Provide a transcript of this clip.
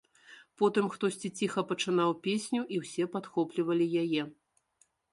Потым хтосьці ціха пачынаў песню, і ўсе падхоплівалі яе.